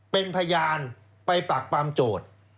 เป็นพยานไปปักปำโจทย์